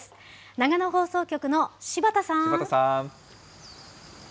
長野放送局の柴田さん。